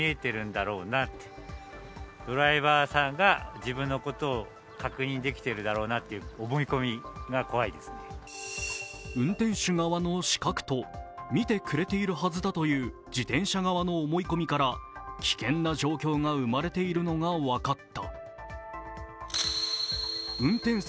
そのため運転手側の死角と見てくれているはずだという自転車側の思い込みから危険な状況が生まれているのが分かった。